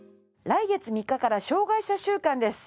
来月３日から障害者週間です。